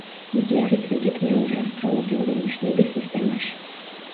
იგი არის რიგით მეორე ასტროლოგიური ნიშნების სისტემაში.